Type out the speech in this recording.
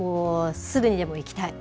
すぐにでも行きたい。